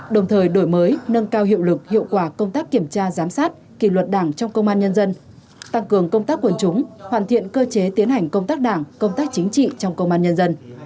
đồng thời đổi mới nâng cao hiệu lực hiệu quả công tác kiểm tra giám sát kỳ luật đảng trong công an nhân dân tăng cường công tác quần chúng hoàn thiện cơ chế tiến hành công tác đảng công tác chính trị trong công an nhân dân